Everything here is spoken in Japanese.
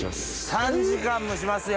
３時間蒸しますよ。